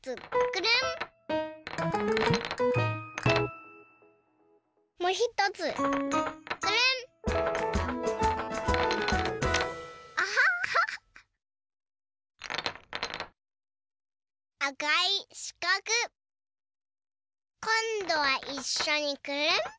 こんどはいっしょにくるん！